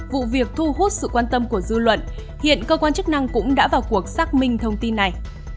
vụ việc thu hút sự quan tâm của dư luận hiện cơ quan chức năng cũng đã vào cuộc xác minh thông tin này